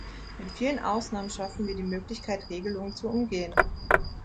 Mit vielen Ausnahmen schaffen wir die Möglichkeit, Regelungen zu umgehen.